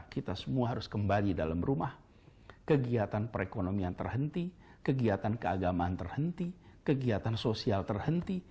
kegiatan perekonomian terhenti kegiatan keagamaan terhenti kegiatan sosial terhenti